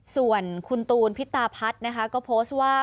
ส่วนคุณตูนพิตาพัฒน์นะคะก็โพสต์ว่า